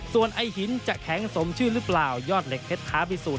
ส่วนไอ้หินจะแข็งสมชื่อหรือเปล่ายอดเหล็กเพชรท้าพิสูจน